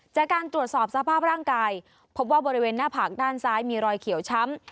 จากการตรวจสอบสภาพร่างกายพบว่าบริเวณหน้าผากด้านซ้ายมีรอยเขียวช้ำ